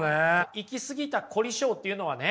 行き過ぎた凝り性っていうのはね